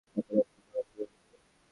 এখন তো রক্ত পড়া শুরু হয়েছে।